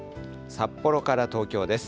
札幌から東京です。